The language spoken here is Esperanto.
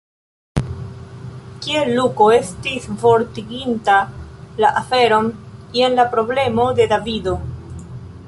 Kiel Luko estis vortiginta la aferon – jen la problemo de Davido.